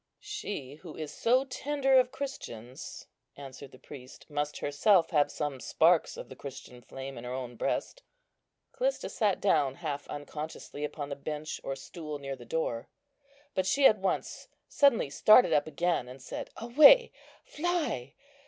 "She who is so tender of Christians," answered the priest, "must herself have some sparks of the Christian flame in her own breast." Callista sat down half unconsciously upon the bench or stool near the door; but she at once suddenly started up again, and said, "Away, fly!